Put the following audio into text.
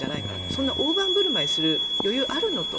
そんな大盤振る舞いする余裕あるのと。